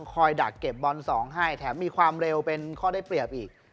ดักเก็บบอล๒ให้แถมมีความเร็วเป็นข้อได้เปรียบอีก